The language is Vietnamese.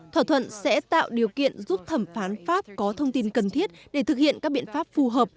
thỏa thuận sẽ tạo điều kiện giúp thẩm phán pháp có thông tin cần thiết để thực hiện các biện pháp phù hợp